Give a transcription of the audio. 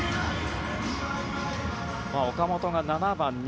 岡本が７番。